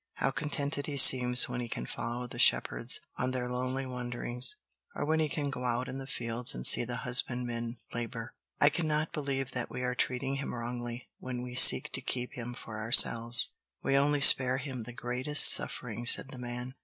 "How contented he seems when he can follow the shepherds on their lonely wanderings, or when he can go out in the fields and see the husbandmen labor. I can not believe that we are treating him wrongly, when we seek to keep him for ourselves." "We only spare him the greatest suffering," said the man.